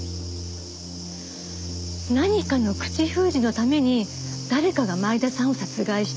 何かの口封じのために誰かが前田さんを殺害した。